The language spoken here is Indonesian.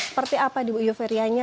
seperti apa ibu euforianya